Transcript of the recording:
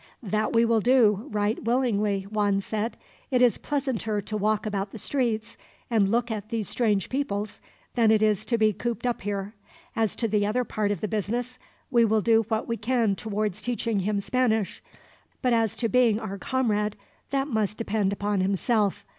"That we will do, right willingly," Juan said. "It is pleasanter to walk about the streets, and look at these strange peoples, than it is to be cooped up here. As to the other part of the business, we will do what we can towards teaching him Spanish; but as to being our comrade, that must depend upon himself.